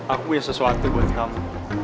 aku punya sesuatu buat kamu